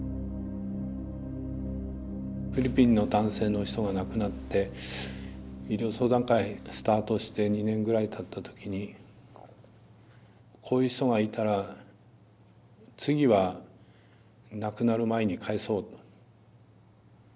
フィリピンの男性の人が亡くなって医療相談会スタートして２年ぐらいたった時にこういう人がいたら次は亡くなる前に帰そうと。